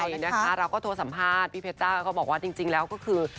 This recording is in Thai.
ใช่นะคะเราก็โทรสัมภาษณ์พี่เพชจ้าก็บอกว่าจริงแล้วก็คือ